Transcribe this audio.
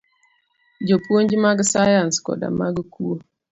Jopuonj mag sayans koda mag kuo